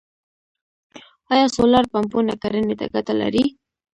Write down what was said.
آیا سولر پمپونه کرنې ته ګټه لري؟